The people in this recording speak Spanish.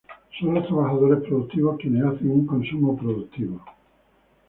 Son los trabajadores productivos quienes hacen un consumo productivo.